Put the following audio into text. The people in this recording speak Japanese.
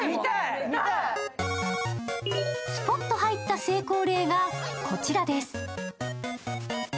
スポッと入った成功例がこちらです。